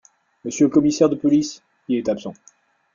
Monsieur le commissaire de police ? Il est absent.